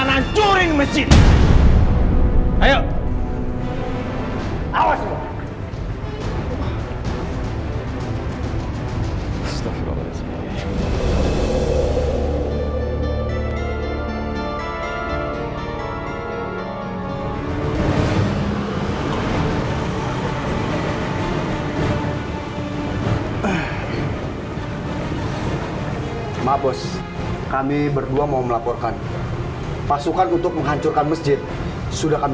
nanti allah marah sama kamu mas